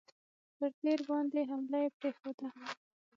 پر دیر باندي حمله یې پرېښوده.